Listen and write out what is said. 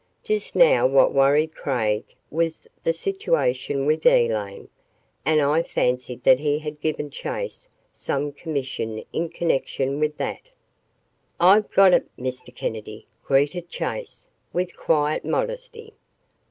Just now what worried Craig was the situation with Elaine, and I fancied that he had given Chase some commission in connection with that. "I've got it, Mr. Kennedy," greeted Chase with quiet modesty.